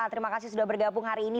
terima kasih sudah bergabung hari ini